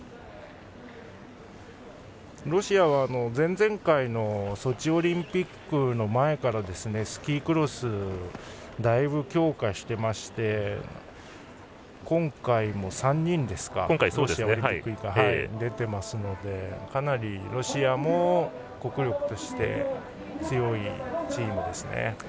ロシアは前々回のソチオリンピックの前からスキークロスだいぶ強化してまして今回も３人ですかロシアオリンピック委員会は出ていますのでかなりロシアも国力として強いチームですね。